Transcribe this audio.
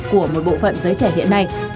của một bộ phận giới trẻ hiện nay